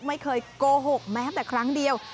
ไม่เคยโกหกแม้แต่ครั้งเดียว